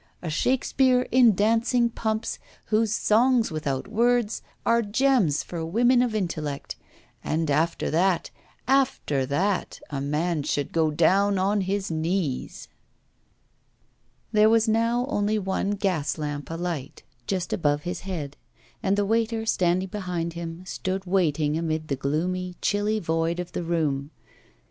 a Shakespeare in dancing pumps, whose "songs without words" are gems for women of intellect! And after that after that a man should go down on his knees.' There was now only one gas lamp alight just above his head, and the waiter standing behind him stood waiting amid the gloomy, chilly void of the room.